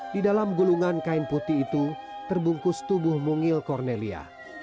di dalam gulungan kain putih itu terbungkus tubuh mungil cornelia